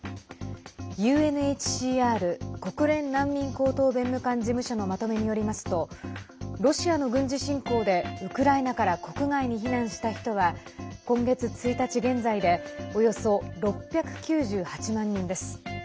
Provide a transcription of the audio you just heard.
ＵＮＨＣＲ＝国連難民高等弁務官事務所のまとめによりますとロシアの軍事侵攻でウクライナから国外に避難した人は今月１日現在でおよそ６９８万人です。